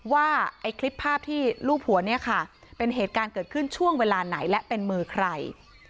ว่าไอ้คลิปภาพที่รูปหัวเนี่ยค่ะเป็นเหตุการณ์เกิดขึ้นช่วงเวลาไหนและเป็นมือใคร